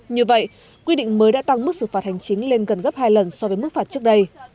như vậy quy định mới đã tăng mức xử phạt hành chính lên gần gấp hai lần so với mức phạt trước đây